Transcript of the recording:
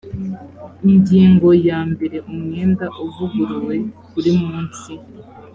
ingingo ya mbere umwenda uvuguruwe uri munsi